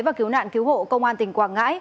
và cứu nạn cứu hộ công an tỉnh quảng ngãi